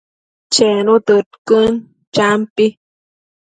Chenu tëdquën, champi